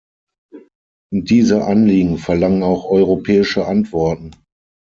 Und diese Anliegen verlangen auch europäische Antworten.